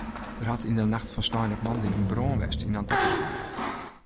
Der hat yn de nacht fan snein op moandei brân west yn in tapasbar.